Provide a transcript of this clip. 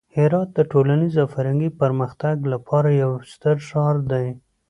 هرات د ټولنیز او فرهنګي پرمختګ لپاره یو ستر ښار دی.